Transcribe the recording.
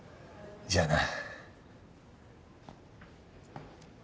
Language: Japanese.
じゃあな。